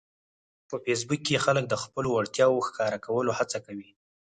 په فېسبوک کې خلک د خپلو وړتیاوو ښکاره کولو هڅه کوي